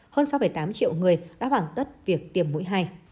hơn sáu tám triệu người đã hoàn tất việc tiêm mũi hai